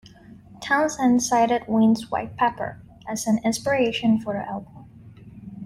Townsend cited Ween's "White Pepper" as an inspiration for the album.